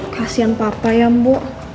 kasian papa ya bu